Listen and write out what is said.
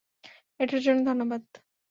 এটার জন্য ধন্যবাদ।